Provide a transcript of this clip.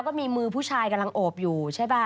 ว่ามีมือผู้ชายก๋าลังอบอยู่